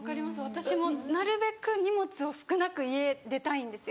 私もなるべく荷物を少なく家出たいんですよ。